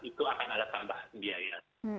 itu akan ada tambahan biaya